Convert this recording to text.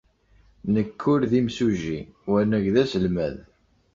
Nekk ur d imsujji, wanag d aselmad.